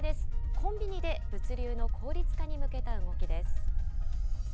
コンビニで物流の効率化に向けた動きです。